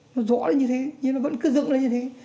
nó rõ như thế nhưng nó vẫn cứ dựng như thế